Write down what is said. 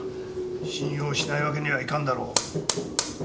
信用しないわけにはいかんだろ。